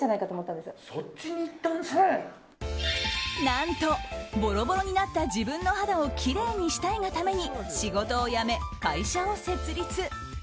何とボロボロになった自分の肌をきれいにしたいがために仕事を辞め、会社を設立。